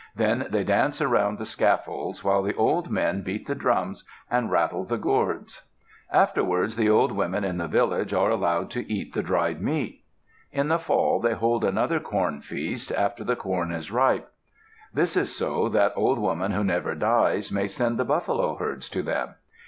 Then they dance around the scaffolds while the old men beat the drums and rattle the gourds. Afterwards the old women in the village are allowed to eat the dried meat. In the fall they hold another corn feast, after the corn is ripe. This is so that Old Woman Who Never Dies may send the buffalo herds to them.